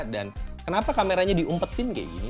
dan kenapa kameranya diumpetin kayak gini